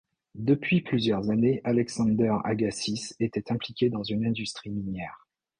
Depuis plusieurs années, Alexander Agassiz était impliqué dans une industrie minière.